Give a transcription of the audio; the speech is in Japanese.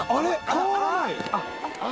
変わらない？